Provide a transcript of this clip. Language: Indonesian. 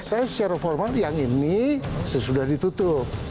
saya secara formal yang ini sesudah ditutup